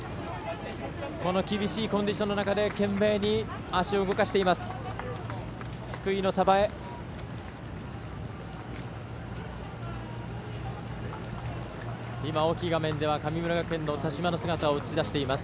この厳しいコンディションの中で懸命に足を動かしています。